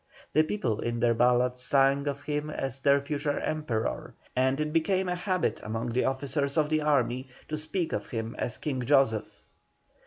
The people in their ballads sang of him as their future Emperor, and it became a habit among the officers of the army to speak of him as "King Joseph."